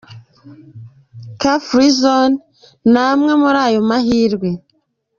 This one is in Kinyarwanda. Car-Free Zone ni amwe muri ayo mahirwe.